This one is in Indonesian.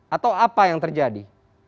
atau apa yang terjadi